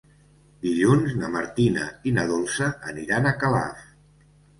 Dilluns na Martina i na Dolça aniran a Calaf.